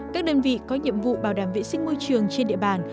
các đơn vị có nhiệm vụ bảo đảm vệ sinh môi trường trên địa bàn